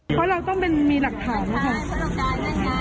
เพราะเราต้องมีหนักถ่ายกัน